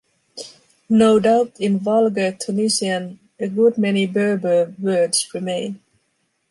No doubt in vulgar Tunisian a good many Berber words remain.